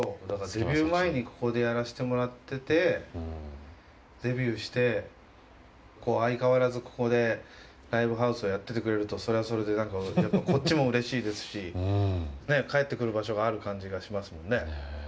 デビュー前にここでやらせてもらってて、デビューして相変わらずここでライブハウスをやっててくれるとそれはそれでこっちもうれしいですし、帰ってくる場所がある感じがしますもんね。